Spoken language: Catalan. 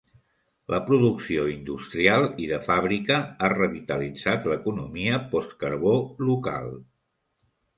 La producció industrial i de fàbrica ha revitalitzat l'economia post-carbó local.